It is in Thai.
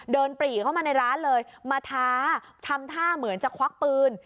ปรีเข้ามาในร้านเลยมาท้าทำท่าเหมือนจะควักปืน